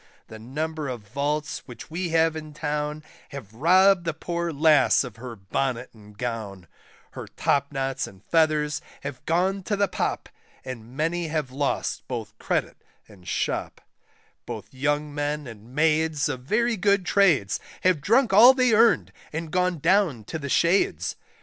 The number of vaults which we have in Town, Have robbed the poor lass of her bonnet and gown, Her topknots and feathers have gone to the Pop, And many have lost both credit and shop; Both young men and maids of very good trades, Have drunk all they earned, and gone down to the shades.